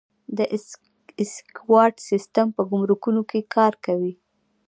د اسیکوډا سیستم په ګمرکونو کې کار کوي؟